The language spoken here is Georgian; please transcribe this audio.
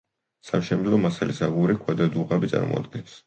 სამშენებლო მასალას აგური, ქვა და დუღაბი წარმოადგენს.